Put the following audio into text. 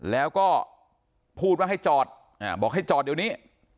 แล้วก็พูดว่าให้จอดบอกให้จอดเดี๋ยวนี้